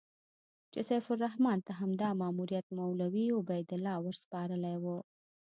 چې سیف الرحمن ته همدا ماموریت مولوي عبیدالله ورسپارلی و.